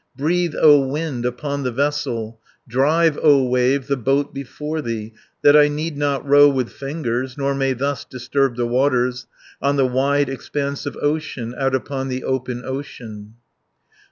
"Breathe, O wind, upon the vessel, Drive, O wave, the boat before thee, That I need not row with fingers, Nor may thus disturb the waters, On the wide expanse of ocean, Out upon the open ocean."